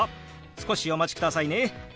少しお待ちくださいね。